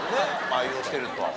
愛用してると。